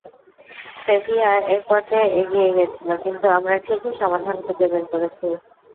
সেভিয়া একপর্যায়ে এগিয়ে গিয়েছিল, কিন্তু আমরা ঠিকই সমাধান খুঁজে বের করেছি।